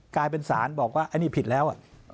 กลายเป็นศาลบอกว่าอันนี้ผิดแล้ว